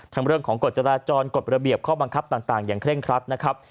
เรื่องของกฎจราจรกฎระเบียบข้อบังคับต่างอย่างเร่งครัดนะครับ